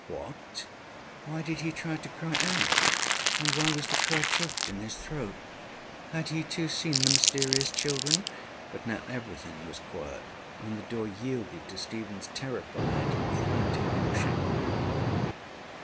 What! why did he try to cry out? and why was the cry choked in his throat? Had he, too, seen the mysterious children? But now everything was quiet, and the door yielded to StephenŌĆÖs terrified and frantic pushing.